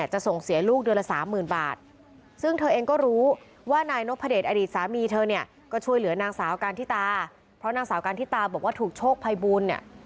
เหลือนางสาวการทิตาเพราะนางสาวการทิตาบอกว่าถูกโชคภัยบูรณ์เนี่ย